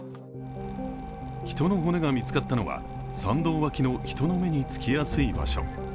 人の骨が見つかったのは山道脇の人の目につきやすい場所。